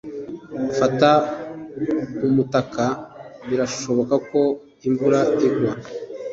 Fata umutaka. Birashoboka ko imvura igwa.